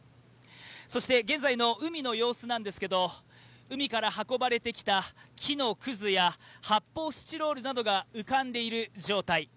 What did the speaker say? そして現在の海の様子ですけれども海から運ばれてきた木のくずや発泡スチロールなどが浮かんでいる状態。